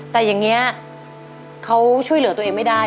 แต่อย่างนี้เขาช่วยเหลือตัวเองไม่ได้